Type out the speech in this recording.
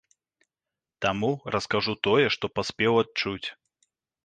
Таму раскажу тое, што паспеў адчуць.